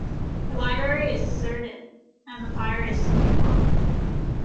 The library is deserted, and the fire is sinking low.